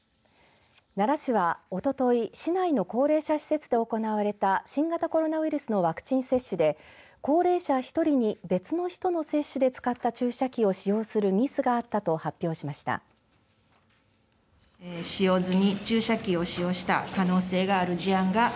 奈良市は、おととい市内の高齢者施設で行われた新型コロナウイルスのワクチン接種で高齢者１人に別の人の接種で使った注射器を使用するミスがあったと発表しました。